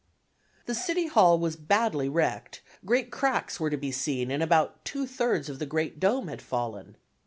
The City Hall was badly wrecked, great cracks were to be seen and about two thirds of the great dome had fallen.